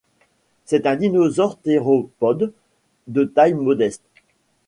C'est un dinosaure théropode de taille modeste.